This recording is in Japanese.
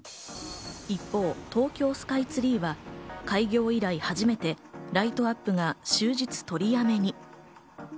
一方、東京スカイツリーは開業以来、初めてライトアップが終日取り止めに。